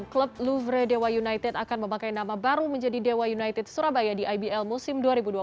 klub luvere dewa united akan memakai nama baru menjadi dewa united surabaya di ibl musim dua ribu dua puluh tiga